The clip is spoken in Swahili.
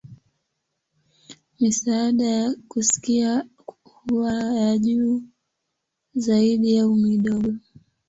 Misaada ya kusikia huwa ya juu zaidi au midogo.